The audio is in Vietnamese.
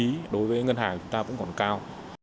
những ngân hàng của chúng ta cũng còn cao